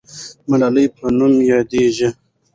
ملاله په نوم یادېږي.